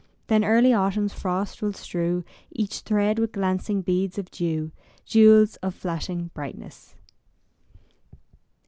Then early autumn's frosts will strew Each thread with glancing beads of dew, Jewels of flashing brightness.